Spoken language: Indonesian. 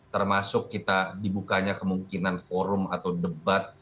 termasuk kita dibukanya kemungkinan forum atau debat